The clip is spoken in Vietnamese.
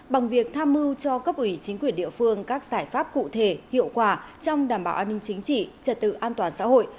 bằng việc tham mưu cho cấp ủy chính quyền địa phương các giải pháp cụ thể hiệu quả trong đảm bảo an ninh chính trị trật tự an toàn xã hội